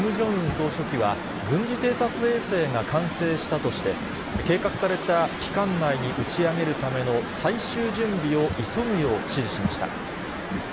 総書記は、軍事偵察衛星が完成したとして、計画された期間内に打ち上げるための最終準備を急ぐよう指示しました。